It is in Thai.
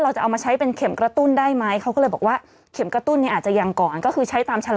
เราจะเอามาใช้เข็มประตูนได้ไหม